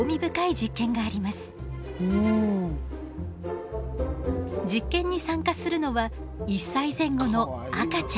実験に参加するのは１歳前後の赤ちゃん。